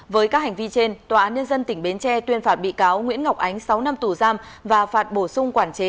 với các hành vi trên tòa án nhân dân tỉnh bến tre tuyên phạt bị cáo nguyễn ngọc ánh sáu năm tù giam và phạt bổ sung quản chế